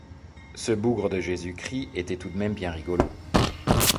Ce bougre de Jésus-Christ était tout de même bien rigolo!